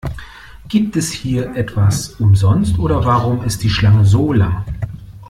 Gibt es hier etwas umsonst, oder warum ist die Schlange so lang?